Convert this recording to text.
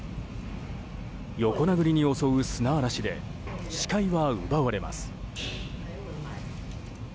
横殴りに襲う砂嵐で視界は奪われます。